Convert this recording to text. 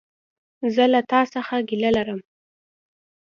زه له تا څخه ګيله لرم!